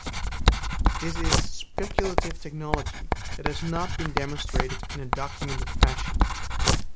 This is speculative technology that has not been demonstrated in a documented fashion.